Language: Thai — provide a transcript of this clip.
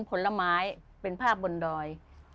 ผลไม้เป็นภาพบนดอย